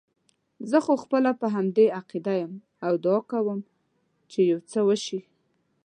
زه خو خپله په همدې عقیده یم او دعا کوم چې یو څه وشي.